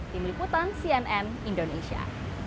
tim liputan cnn indonesia